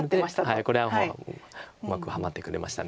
はいこれはもううまくハマってくれましたね。